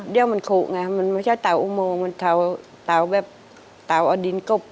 เดี๋ยวมันขุไงมันไม่ใช่เตาอุโมงมันเตาแบบเตาเอาดินกบ